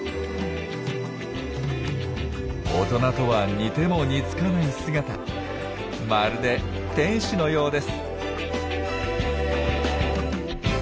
大人とは似ても似つかない姿まるで天使のようです。